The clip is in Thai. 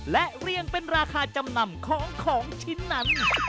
และเรียงเป็นราคาจำนำของของชิ้นนั้น